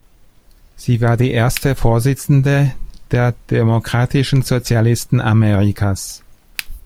Sie war die erste Vorsitzende der Demokratischen Sozialisten Amerikas.